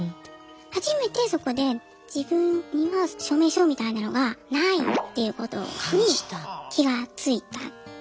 初めてそこで自分には証明書みたいなのがないっていうことに気が付いた。